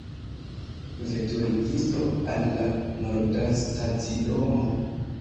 Veturigisto, al la Nordastacidomo!